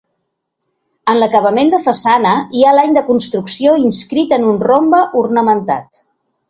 En l'acabament de façana hi ha l'any de construcció inscrit en un rombe ornamentat.